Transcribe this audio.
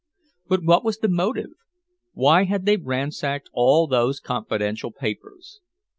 But what was the motive? Why had they ransacked all those confidential papers?